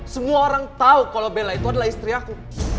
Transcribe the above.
semua orang tahu kalau bella itu adalah istri aku